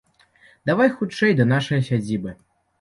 Давай хутчэй да нашае сядзібы.